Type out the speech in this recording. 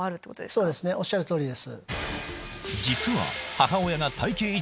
そうですねおっしゃる通りです。